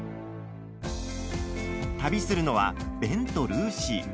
旅するのは、ベンとルーシー。